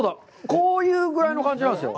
こういうぐあいの感じなんですよ。